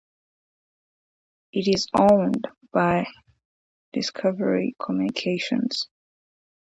It is owned by Discovery Communications.